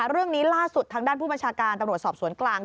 เรื่องนี้ล่าสุดทางด้านผู้บัญชาการตำรวจสอบสวนกลาง